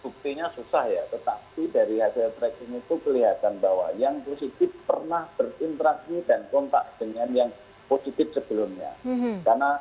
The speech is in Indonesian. buktinya susah ya tetapi dari hasil tracking itu kelihatan bahwa yang positif pernah berinteraksi dan kontak dengan yang positif sebelumnya